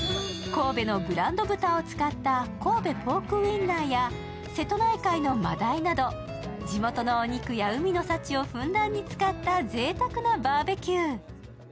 神戸のブランド豚を使った神戸ポークウインナーや瀬戸内海のまだいなど、地元のお肉や海の幸をふんだんに使ったぜいたくなバーベキュー。